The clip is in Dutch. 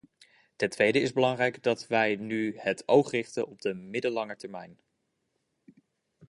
Ten tweede is belangrijk dat wij nu het oog richten op de middellange termijn.